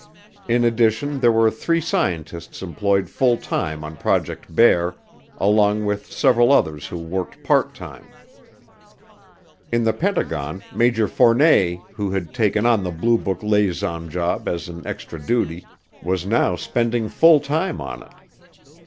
In addition, there were three scientists employed full time on Project Bear, along with several others who worked part time. In the Pentagon, Major Fournet, who had taken on the Blue Book liaison job as an extra duty, was now spending full time on it.